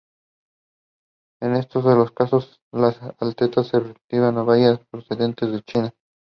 En todos los casos las alertas se referían a bayas procedentes de China.